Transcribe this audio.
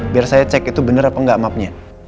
biar saya cek itu benar apa enggak mapnya